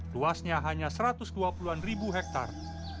luasnya hanya satu ratus dua puluh an ribu hektare